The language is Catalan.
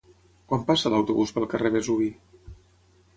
Quan passa l'autobús pel carrer Vesuvi?